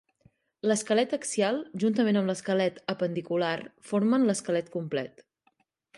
L'esquelet axial juntament amb l'esquelet apendicular formen l'esquelet complet.